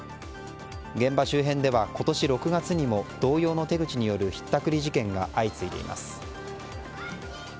現場周辺では今年６月にも同様の手口によるひったくり事件が相次いでいます。